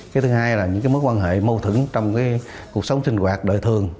cái thứ hai là những mối quan hệ mâu thuẫn trong cuộc sống sinh hoạt đời thường